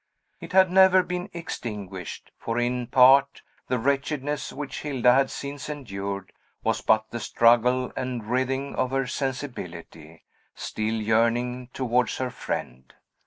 It had never been extinguished; for, in part, the wretchedness which Hilda had since endured was but the struggle and writhing of her sensibility, still yearning towards her friend.